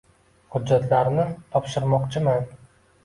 hujjatlarni topshirmoqchiman